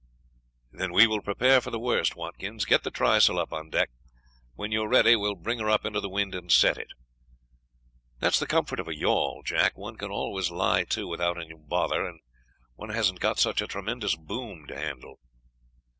"Then we will prepare for the worst, Watkins; get the trysail up on deck. When you are ready we will bring her up into the wind and set it. That's the comfort of a yawl, Jack; one can always lie to without any bother, and one hasn't got such a tremendous boom to handle."